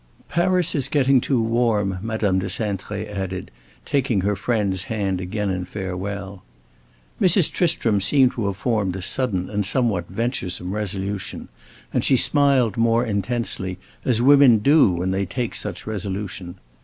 "Paris is getting too warm," Madame de Cintré added, taking her friend's hand again in farewell. Mrs. Tristram seemed to have formed a sudden and somewhat venturesome resolution, and she smiled more intensely, as women do when they take such resolution.